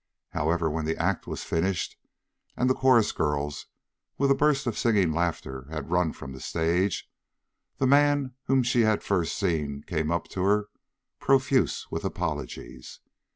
However, when the act was finished and the chorus girls, with a burst of singing laughter, had run from the stage, the man whom she had first seen came up to her, profuse with apologies.